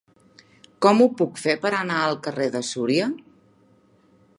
Com ho puc fer per anar al carrer de Súria?